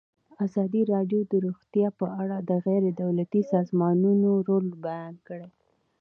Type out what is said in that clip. ازادي راډیو د روغتیا په اړه د غیر دولتي سازمانونو رول بیان کړی.